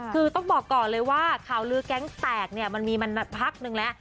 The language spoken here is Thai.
คือต้องบอกก่อนเลยว่าข่าวลือแก๊งแตกเนี่ยมันมีมาพักนึงแล้ว